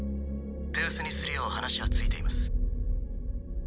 手薄にするよう話はついています。